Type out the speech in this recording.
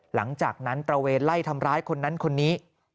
หลังจากนั้นตระเวทไล่ทำร้ายคนนั้นคนนี้